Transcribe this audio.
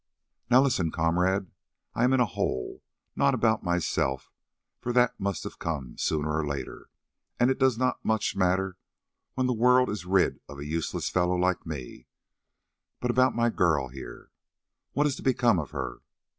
"Now listen, comrade, I am in a hole, not about myself, for that must have come sooner or later, and it does not much matter when the world is rid of a useless fellow like me; but about my girl here. What is to become of her?